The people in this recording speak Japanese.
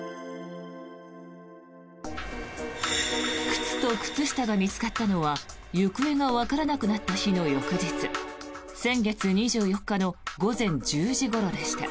靴と靴下が見つかったのは行方がわからなくなった日の翌日先月２４日の午前１０時ごろでした。